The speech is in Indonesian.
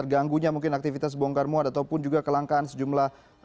ganggunya mungkin aktivitas bongkar muat ataupun juga kelangkaan sejumlah